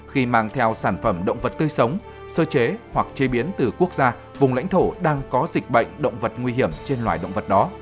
khi mang theo sản phẩm động vật tươi sống sơ chế hoặc chế biến từ quốc gia vùng lãnh thổ đang có dịch bệnh động vật nguy hiểm trên loài động vật đó